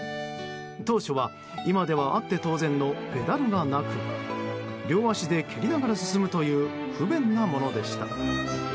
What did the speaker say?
当初は、今ではあって当然のペダルがなく両足で蹴りながら進むという不便なものでした。